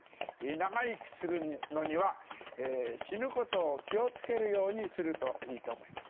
長生きするのには死ぬことを気を付けるようにするといいと思います。